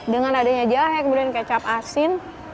dengan adanya jahe kemudian kecap asin